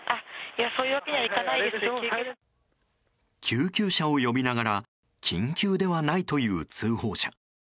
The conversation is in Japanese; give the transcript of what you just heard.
救急車を呼びながら緊急ではないと言う通報者。